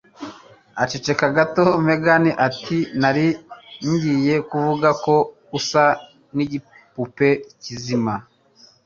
Aceceka gato Megan ati: "Nari ngiye kuvuga ko usa n'igipupe kizima."